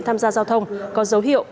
tham gia giao thông có dấu hiệu